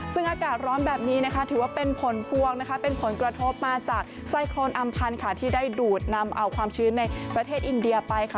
ซึ่งอากาศร้อนแบบนี้นะคะถือว่าเป็นผลพวงนะคะเป็นผลกระทบมาจากไซโครนอำพันธ์ค่ะที่ได้ดูดนำเอาความชื้นในประเทศอินเดียไปค่ะ